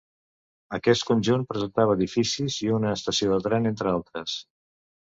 Aquest conjunt presentava edificis i una estació de tren, entre altres.